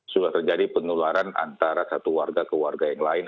sudah terjadi penularan antara satu warga ke warga yang lain